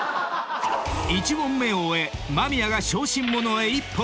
⁉［１問目を終え間宮が小心者へ一歩リード］